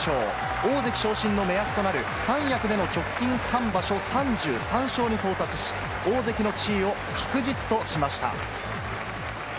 大関昇進の目安となる、三役での直近３場所３３勝に到達し、大関の地位を確実としました。